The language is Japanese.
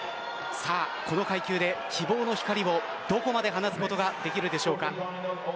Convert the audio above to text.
この階級で希望の光をどこまで放つことができるでしょうか。